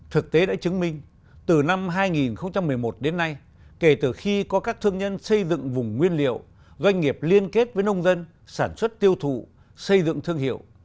thực tế đã chứng minh từ năm hai nghìn một mươi một đến nay kể từ khi có các thương nhân xây dựng vùng nguyên liệu doanh nghiệp liên kết với nông dân sản xuất tiêu thụ xây dựng thương hiệu